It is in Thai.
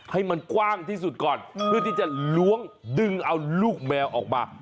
ให้มันกว้างที่สุดก่อนเพื่อที่จะล้วงดึงเอาลูกแมวออกมา